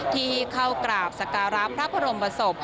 ที่เข้ากราบสการะพระพรมประสบ